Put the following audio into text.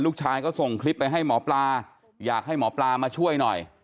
ลูกชายก็ส่งคลิปไปให้หมอปลาอยากให้หมอปลามาช่วยหน่อย